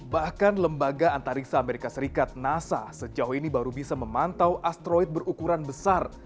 bahkan lembaga antariksa amerika serikat nasa sejauh ini baru bisa memantau asteroid berukuran besar